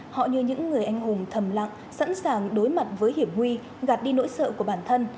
họ như những người anh hùng thầm lặng sẵn sàng đối mặt với hiểm nguy ngạt đi nỗi sợ của bản thân